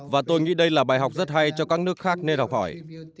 và tôi nghĩ đây là bài học rất hay cho các nước khác nên học hỏi